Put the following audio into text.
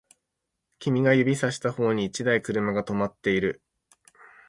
君が指差した方に一台車が止まっている